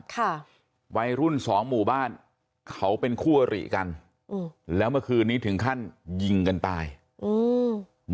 ค่ะวัยรุ่นสองหมู่บ้านเขาเป็นคู่อริกันอืมแล้วเมื่อคืนนี้ถึงขั้นยิงกันตายอืม